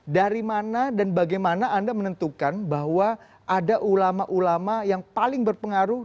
dari mana dan bagaimana anda menentukan bahwa ada ulama ulama yang paling berpengaruh